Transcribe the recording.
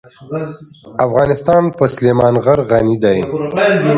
افغانستان په سلیمان غر غني دی.